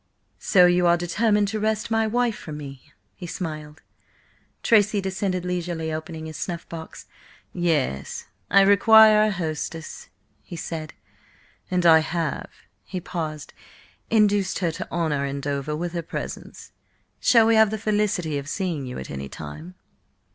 "So you are determined to wrest my wife from me?" he smiled. Tracy descended leisurely, opening his snuff box. "Yes, I require a hostess," he said. "And I have"–he paused–"induced her to honour Andover with her presence. Shall we have the felicity of seeing you at any time?"